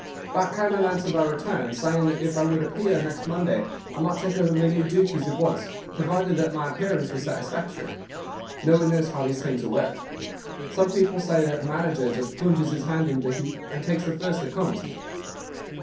Back came an answer by return, saying that if I would appear next Monday I might take over my new duties at once, provided that my appearance was satisfactory. No one knows how these things are worked. Some people say that the manager just plunges his hand into the heap and takes the first that comes.